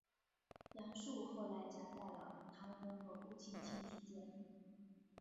杨树后来夹在了唐红和顾菁菁之间。